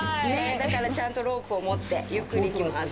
だからちゃんとロープを持ってゆっくり行きます。